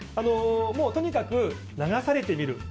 とにかく流されてみる。